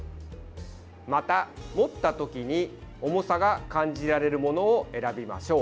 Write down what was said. また、持った時に重さが感じられるものを選びましょう。